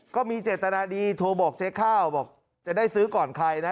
ก็มีเจตนาดีโทรบอกเจ๊ข้าวบอกจะได้ซื้อก่อนใครนะ